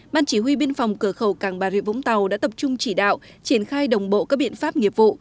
ban chỉ huy biên phòng cửa khẩu càng bà rịa vũng tàu đã tập trung chỉ đạo triển khai đồng bộ các biện pháp nghiệp vụ